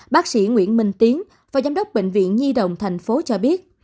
bác sĩ nguyễn minh tiến và giám đốc bệnh viện nhi đồng thành phố cho biết